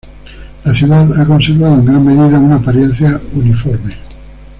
La ciudad ha conservado en gran medida una apariencia uniforme...".